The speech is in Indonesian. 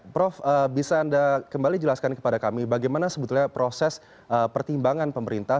prof bisa anda kembali jelaskan kepada kami bagaimana sebetulnya proses pertimbangan pemerintah